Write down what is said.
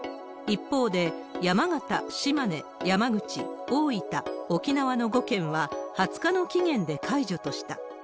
一方で、山形、島根、山口、大分、沖縄の５県は２０日の期限で解除とした。